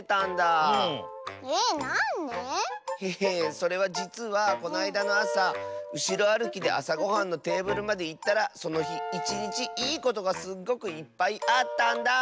それはじつはこないだのあさうしろあるきであさごはんのテーブルまでいったらそのひいちにちいいことがすっごくいっぱいあったんだ。